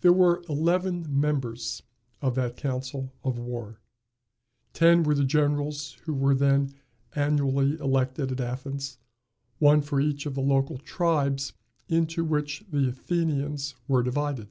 There were eleven members of that council of war. Ten were the generals who were then annually elected at Athens, one for each of the local tribes into which the Athenians were divided.